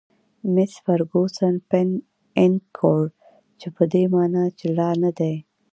میس فرګوسن: 'pan encore' چې په دې مانا چې لا نه دي.